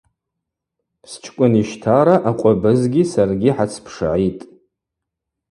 Счкӏвынищтара акъвабызгьи саргьи хӏацпшгӏитӏ.